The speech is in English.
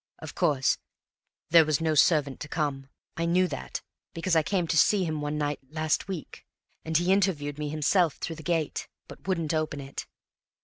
Of course there was no servant to come. I knew that, because I came to see him one night last week, and he interviewed me himself through the gate, but wouldn't open it.